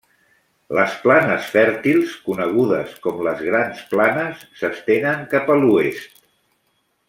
Les planes fèrtils, conegudes com les Grans Planes s'estenen cap a l'oest.